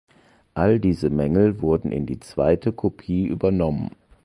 All diese Mängel wurden in die zweite Kopie übernommen.